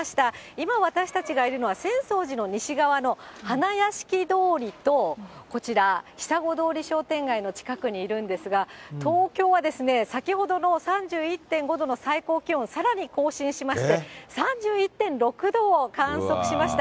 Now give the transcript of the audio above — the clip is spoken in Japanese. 今、私たちがいるのは浅草寺の西側の花やしき通りと、こちら、ひさご通り商店街の近くにいるんですが、東京はですね、先ほどの３１．５度の最高気温、さらに更新しまして、３１．６度を観測しました。